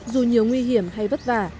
dù nhiều nguy hiểm hay vất vả